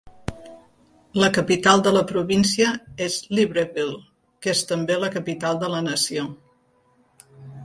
La capital de la província és Libreville, que és també la capital de la nació.